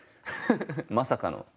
まさかの。